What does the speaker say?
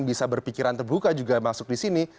bisa berpikiran terbuka juga masuk di sini